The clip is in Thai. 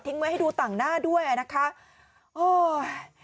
ทิ้งไว้ให้ดูต่างหน้าด้วยนะคะโอ้ย